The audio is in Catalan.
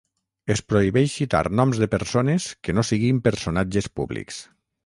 Es prohibeix citar noms de persones que no siguin personatges públics.